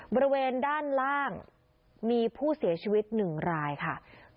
บริเวณด้านล่างมีผู้เสียชีวิต๑รายค่ะ